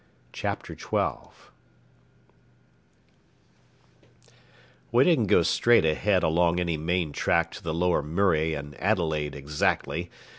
Chapter 12 We didn't go straight ahead along any main track to the Lower Murray and Adelaide exactly.